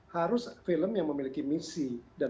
harus film yang memiliki misi dan